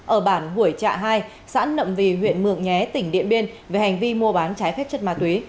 ở bản hủy trạ hai xã nậm vì huyện mượng nhé tỉnh điện biên về hành vi mua bán trái phép chất ma túy